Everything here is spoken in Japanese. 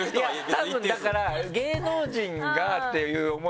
いやたぶんだから芸能人がっていう思い。